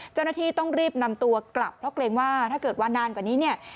เจ้านัทีต้องรีบนำตัวกลับเพราะว่าถ้าเกิดวานนานกว่านี้